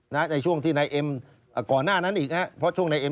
ในช่วงที่นายเอ็ม